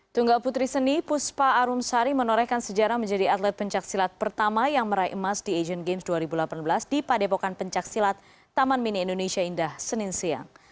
tunggal putri seni puspa arumsari menorehkan sejarah menjadi atlet pencaksilat pertama yang meraih emas di asian games dua ribu delapan belas di padepokan pencaksilat taman mini indonesia indah senin siang